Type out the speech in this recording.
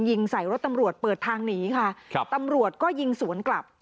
ยิงใส่รถตำรวจเปิดทางหนีค่ะครับตำรวจก็ยิงสวนกลับ